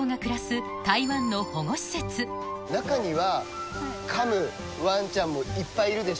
中には。